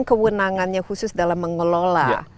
kewenangannya khusus dalam mengelola